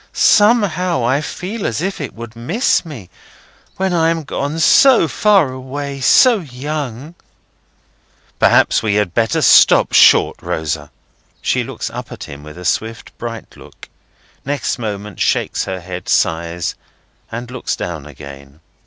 Somehow, I feel as if it would miss me, when I am gone so far away, so young." "Perhaps we had better stop short, Rosa?" She looks up at him with a swift bright look; next moment shakes her head, sighs, and looks down again.